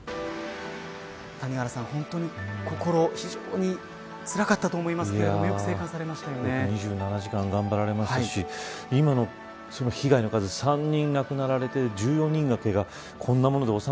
谷原さん、本当に心、非常につらかったと思いますけど２７時間、頑張られましたし今の被害の数、３人亡くなられて１４人がけが。